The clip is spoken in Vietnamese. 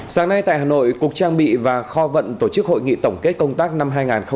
sáng nay tại hà nội cục trang bị và kho vận tổ chức hội nghị tổng kết công tác năm hai nghìn hai mươi